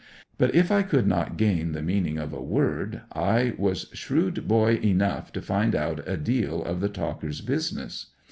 But if I could not gain the meaning of a word, I was shrewd boy enough to find out a deal of the talkers' business.